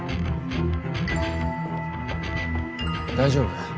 大丈夫？